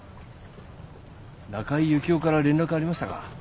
中井幸雄から連絡ありましたか？